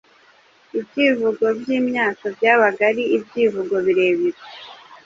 Ibyivugo byimyatoByabaga ari ibyivugo birebire